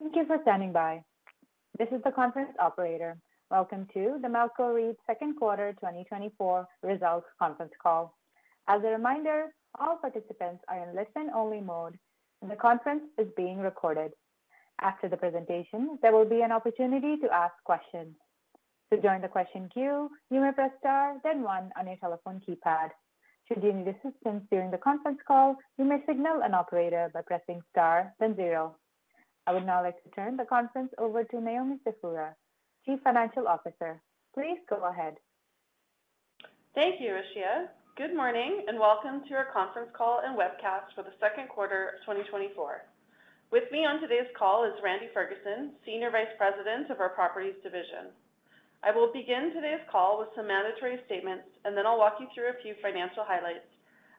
Thank you for standing by. This is the conference operator. Welcome to the Melcor Real Estate Trust, Second quarter 2024 results conference call. As a reminder, all participants are in listen-only mode, and the conference is being recorded. After the presentation, there will be an opportunity to ask questions. To join the question queue, you may press star, then one, on your telephone keypad. Should you need assistance during the conference call, you may signal an operator by pressing star, then zero. I would now like to turn the conference over to Naomi Stefura, Chief Financial Officer. Please go ahead. Thank you, Rashia. Good morning and welcome to our conference call and webcast for the second quarter of 2024. With me on today's call is Randy Ferguson, Senior Vice President of our Properties Division. I will begin today's call with some mandatory statements, and then I'll walk you through a few financial highlights.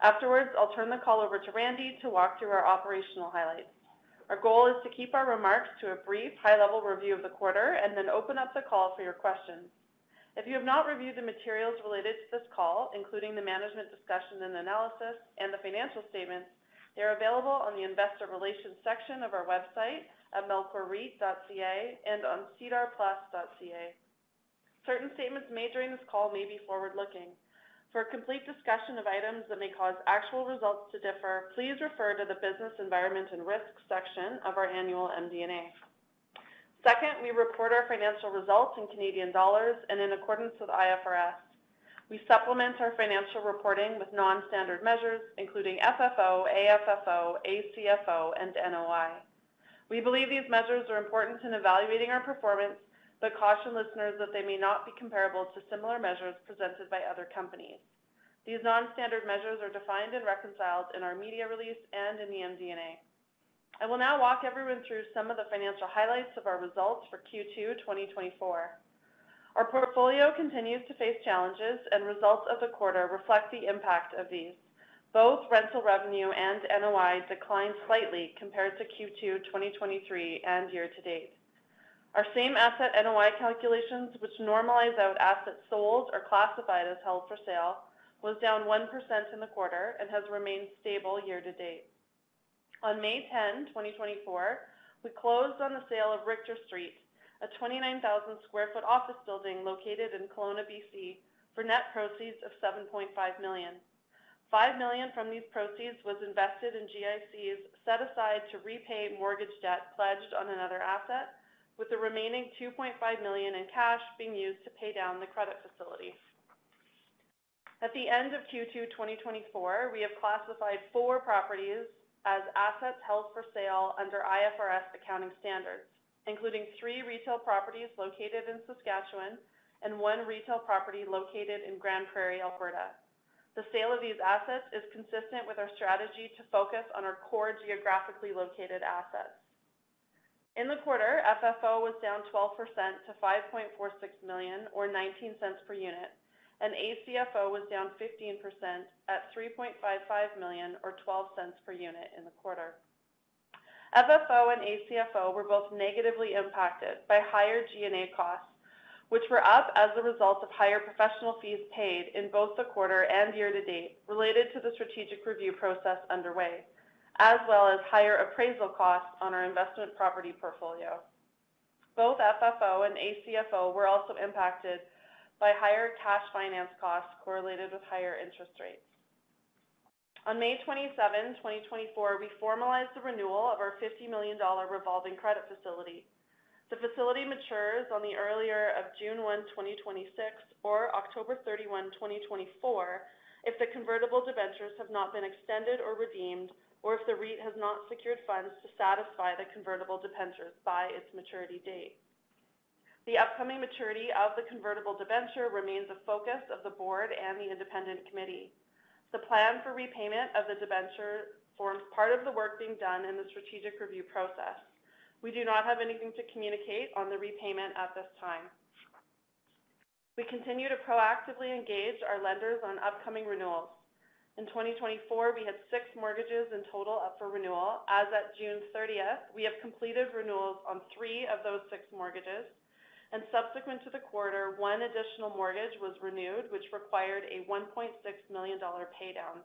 Afterwards, I'll turn the call over to Randy to walk through our operational highlights. Our goal is to keep our remarks to a brief, high-level review of the quarter and then open up the call for your questions. If you have not reviewed the materials related to this call, including the Management Discussion and Analysis and the financial statements, they are available on the Investor Relations section of our website at melcorreal.ca and on sedarplus.ca. Certain statements made during this call may be forward-looking. For a complete discussion of items that may cause actual results to differ, please refer to the Business Environment and Risks section of our annual MD&A. Second, we report our financial results in Canadian dollars and in accordance with IFRS. We supplement our financial reporting with nonstandard measures, including FFO, AFFO, ACFO, and NOI. We believe these measures are important in evaluating our performance, but caution listeners that they may not be comparable to similar measures presented by other companies. These nonstandard measures are defined and reconciled in our media release and in the MD&A. I will now walk everyone through some of the financial highlights of our results for Q2 2024. Our portfolio continues to face challenges, and results of the quarter reflect the impact of these. Both rental revenue and NOI declined slightly compared to Q2 2023 and year to date. Our same asset NOI calculations, which normalize out assets sold or classified as held for sale, were down 1% in the quarter and have remained stable year to date. On May 10, 2024, we closed on the sale of Richter Street, a 29,000 sq ft office building located in Kelowna, BC, for net proceeds of 7.5 million. 5 million from these proceeds was invested in GICs set aside to repay mortgage debt pledged on another asset, with the remaining 2.5 million in cash being used to pay down the credit facility. At the end of Q2 2024, we have classified four properties as assets held for sale under IFRS accounting standards, including three retail properties located in Saskatchewan and one retail property located in Grande Prairie, Alberta. The sale of these assets is consistent with our strategy to focus on our core geographically located assets. In the quarter, FFO was down 12% to 5.46 million, or 0.19 per unit, and ACFO was down 15% at 3.55 million, or 0.12 per unit in the quarter. FFO and ACFO were both negatively impacted by higher G&A costs, which were up as a result of higher professional fees paid in both the quarter and year to date related to the strategic review process underway, as well as higher appraisal costs on our investment property portfolio. Both FFO and ACFO were also impacted by higher cash finance costs correlated with higher interest rates. On May 27, 2024, we formalized the renewal of our 50 million dollar revolving credit facility. The facility matures on the earlier of June 1, 2026, or October 31, 2024, if the convertible debentures have not been extended or redeemed, or if the REIT has not secured funds to satisfy the convertible debentures by its maturity date. The upcoming maturity of the Convertible Debenture remains a focus of the board and the independent committee. The plan for repayment of the debenture forms part of the work being done in the strategic review process. We do not have anything to communicate on the repayment at this time. We continue to proactively engage our lenders on upcoming renewals. In 2024, we had 6 mortgages in total up for renewal. As of June 30, we have completed renewals on 3 of those 6 mortgages, and subsequent to the quarter, 1 additional mortgage was renewed, which required a 1.6 million dollar paydown.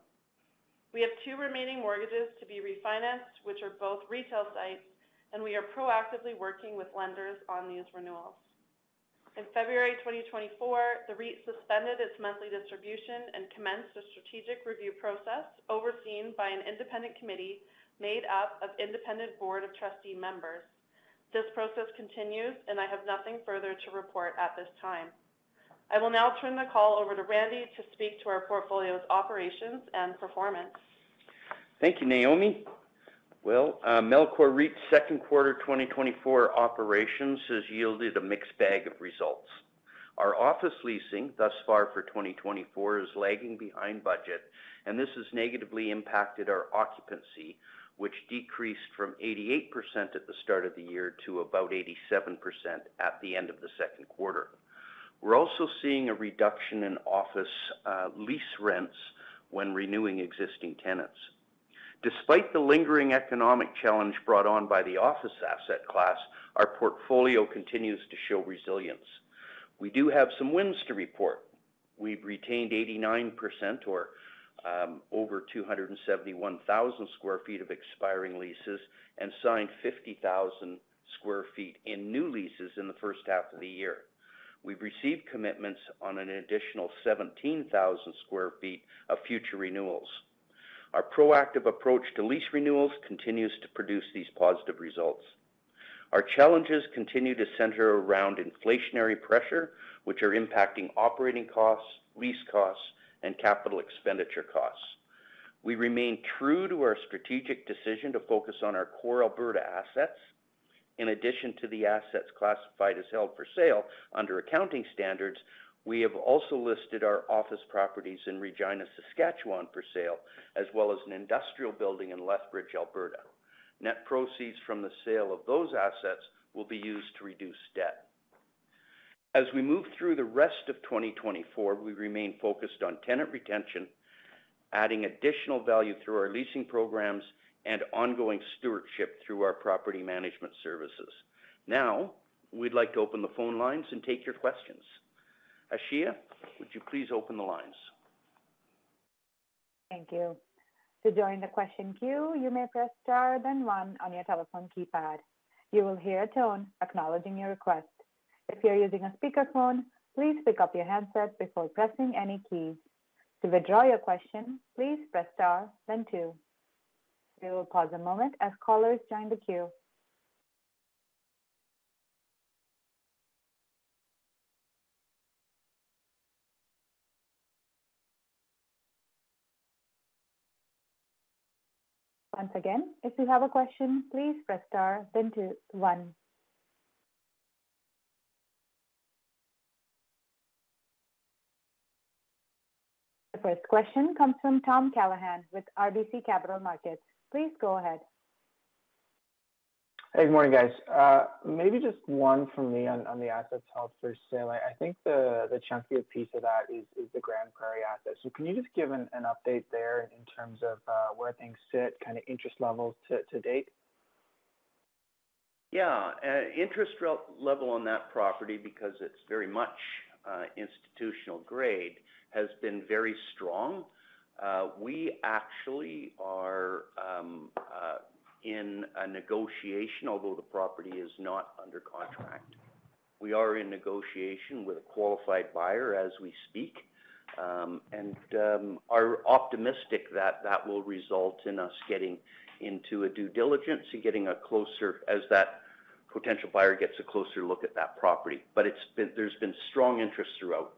We have 2 remaining mortgages to be refinanced, which are both retail sites, and we are proactively working with lenders on these renewals. In February 2024, the REIT suspended its monthly distribution and commenced a strategic review process overseen by an independent committee made up of independent board of trustee members. This process continues, and I have nothing further to report at this time. I will now turn the call over to Randy to speak to our portfolio's operations and performance. Thank you, Naomi. Well, Melcor Real Estate Investment Trust's second quarter 2024 operations has yielded a mixed bag of results. Our office leasing thus far for 2024 is lagging behind budget, and this has negatively impacted our occupancy, which decreased from 88% at the start of the year to about 87% at the end of the second quarter. We're also seeing a reduction in office lease rents when renewing existing tenants. Despite the lingering economic challenge brought on by the office asset class, our portfolio continues to show resilience. We do have some wins to report. We've retained 89% or over 271,000 sq ft of expiring leases and signed 50,000 sq ft in new leases in the first half of the year. We've received commitments on an additional 17,000 sq ft of future renewals. Our proactive approach to lease renewals continues to produce these positive results. Our challenges continue to center around inflationary pressure, which are impacting operating costs, lease costs, and capital expenditure costs. We remain true to our strategic decision to focus on our core Alberta assets. In addition to the assets classified as held for sale under accounting standards, we have also listed our office properties in Regina, Saskatchewan, for sale, as well as an industrial building in Lethbridge, Alberta. Net proceeds from the sale of those assets will be used to reduce debt. As we move through the rest of 2024, we remain focused on tenant retention, adding additional value through our leasing programs, and ongoing stewardship through our property management services. Now, we'd like to open the phone lines and take your questions. Rashia, would you please open the lines? Thank you. To join the question queue, you may press star, then one, on your telephone keypad. You will hear a tone acknowledging your request. If you're using a speakerphone, please pick up your headset before pressing any keys. To withdraw your question, please press star, then two. We will pause a moment as callers join the queue. Once again, if you have a question, please press star, then one. The first question comes from Tom Callahan with RBC Capital Markets. Please go ahead. Hey, good morning, guys. Maybe just one from me on the assets held for sale. I think the chunkier piece of that is the Grande Prairie assets. So can you just give an update there in terms of where things sit, kind of interest levels to date? Yeah. Interest level on that property, because it's very much institutional grade, has been very strong. We actually are in a negotiation, although the property is not under contract. We are in negotiation with a qualified buyer as we speak, and are optimistic that that will result in us getting into a due diligence and getting a closer as that potential buyer gets a closer look at that property. But there's been strong interest throughout.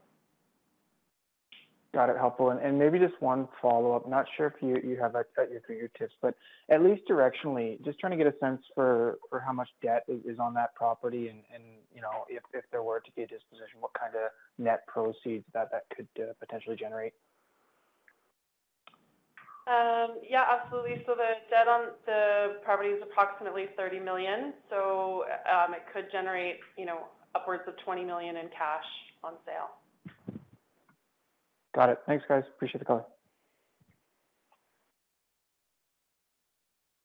Got it. Helpful. And maybe just one follow-up. Not sure if you have that at your fingertips, but at least directionally, just trying to get a sense for how much debt is on that property and if there were to be a disposition, what kind of net proceeds that could potentially generate? Yeah, absolutely. So the debt on the property is approximately 30 million, so it could generate upwards of 20 million in cash on sale. Got it. Thanks, guys. Appreciate the call.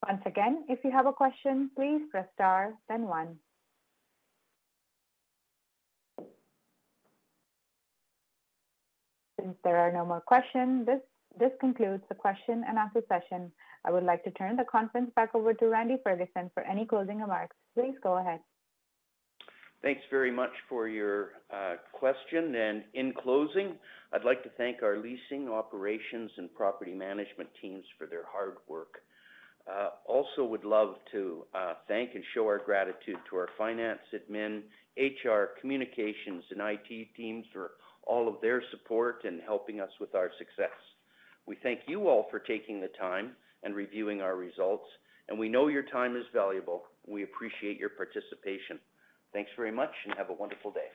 Once again, if you have a question, please press star, then one. Since there are no more questions, this concludes the question and answer session. I would like to turn the conference back over to Randy Ferguson for any closing remarks. Please go ahead. Thanks very much for your question. In closing, I'd like to thank our leasing operations and property management teams for their hard work. Also, would love to thank and show our gratitude to our finance, admin, HR, communications, and IT teams for all of their support in helping us with our success. We thank you all for taking the time and reviewing our results, and we know your time is valuable. We appreciate your participation. Thanks very much and have a wonderful day.